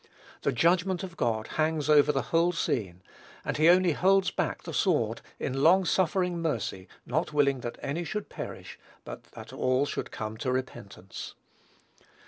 The judgment of God hangs over the whole scene; and he only holds back the sword, in long suffering mercy, not willing that any should perish, but that all should come to repentance.